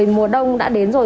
mùa đông đã đến rồi